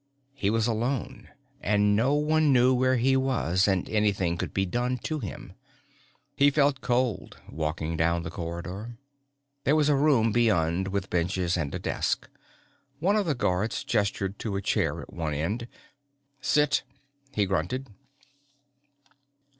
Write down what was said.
He was alone and no one knew where he was and anything could be done to him. He felt cold, walking down the corridor. There was a room beyond with benches and a desk. One of the guards gestured to a chair at one end. "Sit," he grunted.